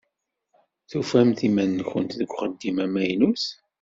Tufamt iman-nkent deg uxeddim amaynut?